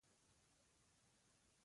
چوپ سړی، تل خوندي وي.